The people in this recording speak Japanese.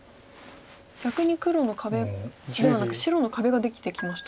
逆に黒の壁ではなく白の壁ができてきましたね。